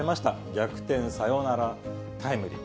逆転サヨナラタイムリー。